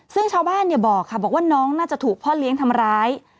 ซึ่งชาวบ้านบอกค่ะบอกว่าน้องน่าจะถูกพ่อเลี้ยงทำร้าย